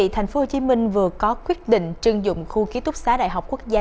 thành phố hồ chí minh vừa có quyết định trưng dụng khu ký túc xá đại học quốc gia